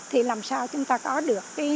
thì làm sao chúng ta có được